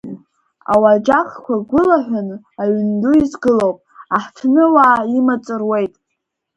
Ауаџьаҟқәа агәылҳәаны аҩны ду изгылоуп, аҳҭны уаа имаҵ руеит.